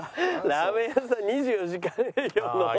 ラーメン屋さん２４時間営業の。